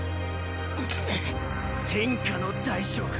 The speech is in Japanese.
天下の大将軍。